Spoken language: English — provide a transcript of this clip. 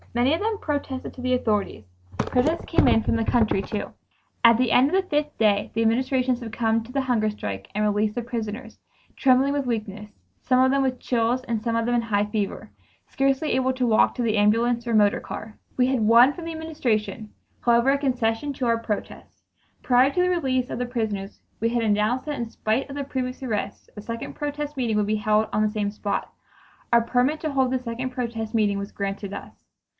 Many of them protested to the authorities. Protests came in from the country, too. At the end of the fifth day the Administration succumbed to the hunger strike and released the prisoners, trembling with weakness, some of them with chills and some of them in a high fever, scarcely able even to walk to the ambulance or motor car. We had won from the Administration, however, a concession to our protest. Prior to the release of the prisoners we had announced that in spite of the previous arrests a second protest meeting would be held on the same spot. A permit to hold this second protest meeting was granted us.